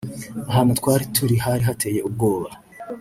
ahantu twari turi hari hateye ubwoba